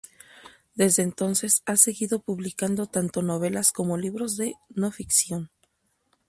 Desde entonces ha seguido publicando tanto novelas como libros de no ficción.